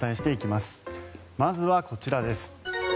まずはこちらです。